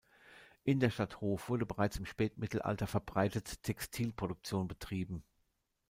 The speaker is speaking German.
In der Stadt Hof wurde bereits im Spätmittelalter verbreitet Textilproduktion betrieben.